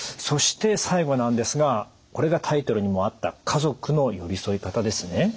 そして最後なんですがこれがタイトルにもあった家族の寄り添い方ですね。